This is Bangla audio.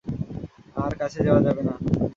আর কাছে যাওয়া যাবে না।